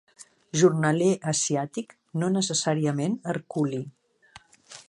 Jornaler asiàtic, no necessàriament herculi.